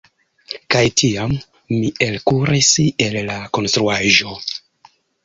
Kaj tiam mi elkuris el la konstruaĵo.